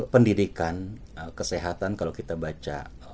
pendidikan kesehatan kalau kita baca